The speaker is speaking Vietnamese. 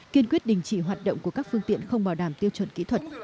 kiên quyết đình chỉ hoạt động của các phương tiện không bảo đảm tiêu chuẩn kỹ thuật